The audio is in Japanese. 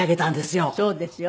そうですよ。